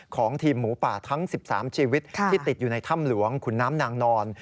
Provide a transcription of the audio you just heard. ของทีมหมูป่าทั้ง๑๓ชีวิตที่ติดอยู่ในถ้ำหลวงขุนน้ำนางนอน